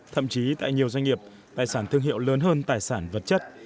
thậm chí tại nhiều doanh nghiệp tài sản thương hiệu lớn hơn tài sản vật chất